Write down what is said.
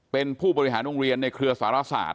เป็นผู้บริหารโรงเรียนในเครือสารศาสต